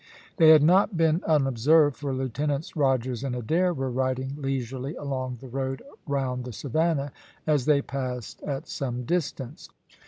They had not been unobserved, for Lieutenants Rogers and Adair were riding leisurely along the road round the Savannah as they passed at some distance.